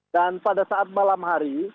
pada saat malam hari